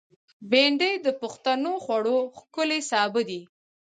بېنډۍ د پښتنو خوړو ښکلی سابه دی